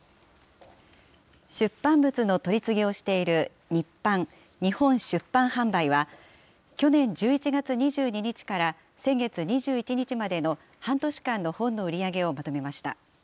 出版物の取り次ぎをしている、日販・日本出版販売は、去年１１月２２日から先月２１日までの半年間の本の売り上げをまとめました。